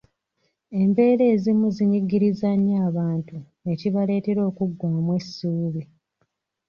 Embeera ezimu zinyigiriza nnyo abantu ekibaleetera okuggwaamu essuubi.